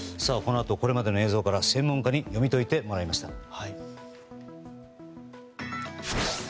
このあとこれまでの映像から専門家に読み解いてもらいました。